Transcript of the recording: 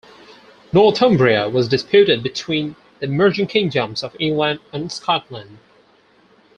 Northumbria was disputed between the emerging kingdoms of England and Scotland.